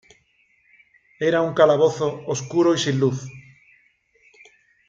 Era un calabozo oscuro y sin luz.